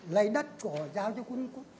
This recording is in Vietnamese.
lấy đất của giao cho